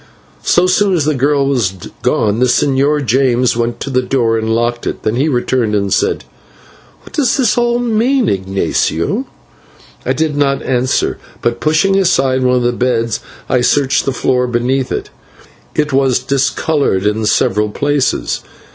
So soon as the girl was gone, the Señor James went to the door and locked it, then he returned and said: "What does all this mean, Ignatio?" I did not answer, but, pushing aside one of the beds, I searched the floor beneath it. It was discoloured in several places.